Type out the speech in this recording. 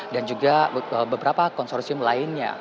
dan juga beberapa konsorsium lainnya